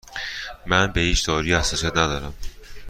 من به هیچ دارویی حساسیت ندارم.